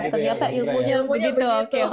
ternyata ilmunya begitu